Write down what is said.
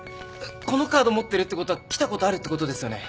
このカード持ってるってことは来たことあるってことですよね？